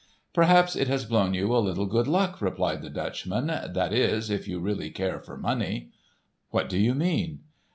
"Perhaps it has blown you a little good luck," replied the Dutchman; "that is, if you really care for money." "What do you mean?"